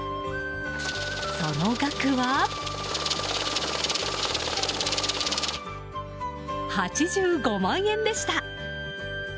その額は８５万円でした。